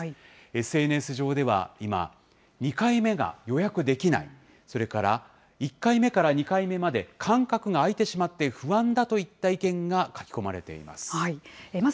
ＳＮＳ上では今、２回目が予約できない、それから１回目から２回目まで間隔が空いてしまって不安だといった意見が書き込まれています。